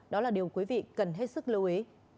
đó là điều quý vị cần hết sức lưu ý